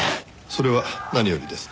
それは何よりです。